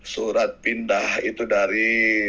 surat pindah itu dari